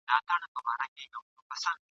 او له واکه یې وتلی وو هر غړی ..